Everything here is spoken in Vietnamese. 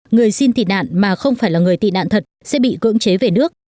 người xin tị nạn mà không phải là người tị nạn thật sẽ bị cưỡng chế về nước